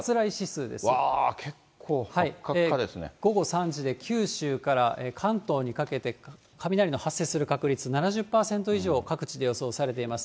わー、午後３時で九州から関東にかけて、雷の発生する確率、７０％以上、各地で予想されています。